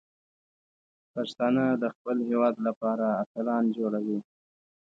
پښتانه د خپل هیواد لپاره اتلان جوړوي.